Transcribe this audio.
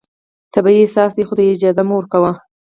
طبیعي احساس دی، خو دا اجازه مه ورکوه